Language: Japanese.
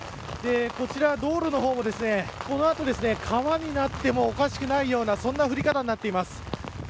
こちら、道路の方もこの後、川になってもおかしくないようなそんな降り方になっています。